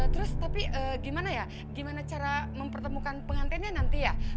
terus gimana ya cara mempertemukan pengantinnya nanti ya